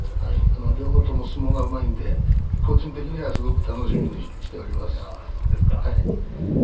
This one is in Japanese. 両方とも相撲がうまいので個人的にはすごく楽しみにしています。